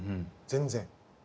全然。